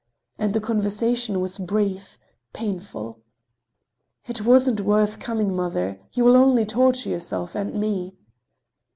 And the conversation was brief, painful. "It wasn't worth coming, mother. You'll only torture yourself and me."